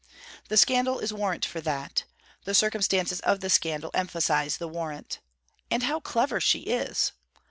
The scandal is warrant for that; the circumstances of the scandal emphasize the warrant. And how clever she is!